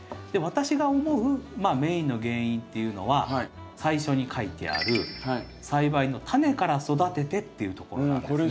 私が思うメインの原因っていうのは最初に書いてある栽培の「タネから育てて」っていうところなんですね。